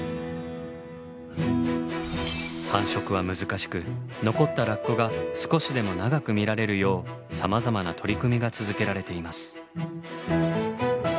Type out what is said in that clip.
繁殖は難しく残ったラッコが少しでも長く見られるようさまざまな取り組みが続けられています。